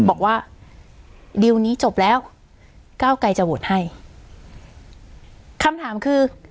บอกว่าดิวนี้จบแล้วก้าวไกรจะโหวตให้คำถามคือ